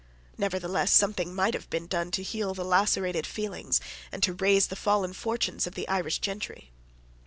Nevertheless something might have been done to heal the lacerated feelings and to raise the fallen fortunes of the Irish gentry.